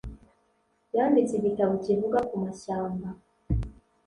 Yanditse igitabo kivuga ku mashyamba.